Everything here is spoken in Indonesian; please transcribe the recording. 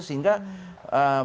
sehingga mereka akan mencari narkoba